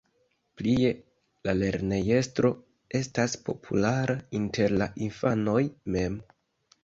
Plie, la lernejestro estas populara inter la infanoj mem.